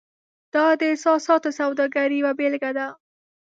دا د احساساتو سوداګرۍ یوه بیلګه ده.